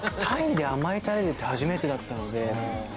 鯛で甘いタレって初めてだったので。